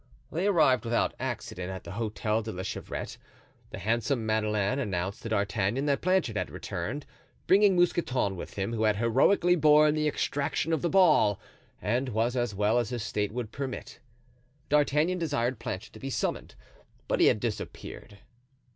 They arrived without accident at the Hotel de la Chevrette. The handsome Madeleine announced to D'Artagnan that Planchet had returned, bringing Mousqueton with him, who had heroically borne the extraction of the ball and was as well as his state would permit. D'Artagnan desired Planchet to be summoned, but he had disappeared.